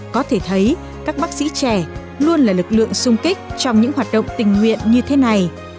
có thể thấy các bác sĩ trẻ luôn là lực lượng sung kích trong những hoạt động tình nguyện như thế này